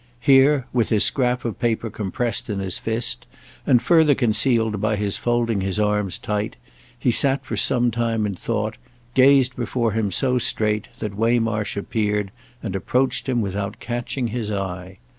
Here, with his scrap of paper compressed in his fist and further concealed by his folding his arms tight, he sat for some time in thought, gazed before him so straight that Waymarsh appeared and approached him without catching his eye.